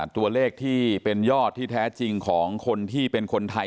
ตัวเลขที่เป็นยอดที่แท้จริงของคนที่เป็นคนไทย